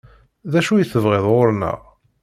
D acu i tebɣiḍ ɣur-neɣ?